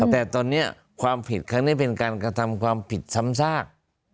แต่ตอนนี้ความผิดครั้งนี้เป็นการกระทำความผิดซ้ำซาก